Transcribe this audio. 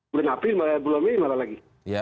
bulan april bulan mei malah lagi